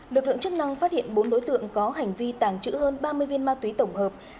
lực lượng chức năng phát hiện bốn đối tượng có hành vi tàng trữ hơn ba mươi viên ma túy tổng hợp